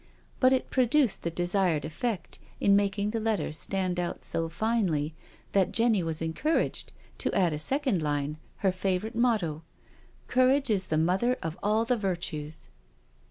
But it produced the desired effect in making the letters stand out so finely that Jenny was encouraged to add a second line, her favourite motto —" Courage is the mother of all the virtues."